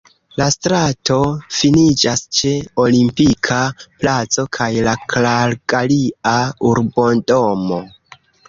La strato finiĝas ĉe Olimpika Placo kaj la Kalgaria urbodomo.